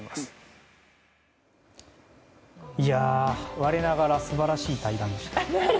我ながら素晴らしい対談でした。